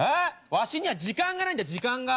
わしには時間がないんだ時間が。